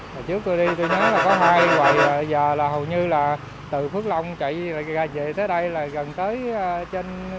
hồi trước tôi đi tôi nhớ là có hai rồi bây giờ là hầu như là từ phước long chạy về tới đây là gần tới trên